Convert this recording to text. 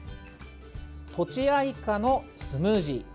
とちあいかのスムージー。